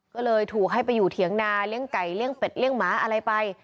ก็เลยถูกให้ไปอยู่เถียงนาเลี้ยงไก่เลี้ยเป็ดเลี่ยหมาอะไรไป